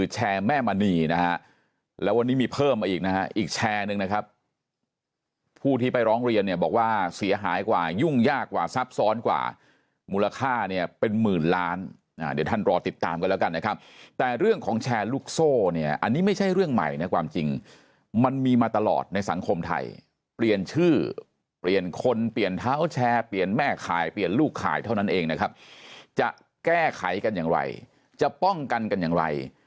แชร์แม่มณีนะครับแล้ววันนี้มีเพิ่มอีกนะอีกแชร์นึงนะครับผู้ที่ไปร้องเรียนเนี่ยบอกว่าเสียหายกว่ายุ่งยากกว่าซับซ้อนกว่ามูลค่าเนี่ยเป็นหมื่นล้านเดี๋ยวท่านรอติดตามกันแล้วกันนะครับแต่เรื่องของแชร์ลูกโซ่เนี่ยอันนี้ไม่ใช่เรื่องใหม่ในความจริงมันมีมาตลอดในสังคมไทยเปลี่ยนชื่อเปลี่ยนคนเปลี่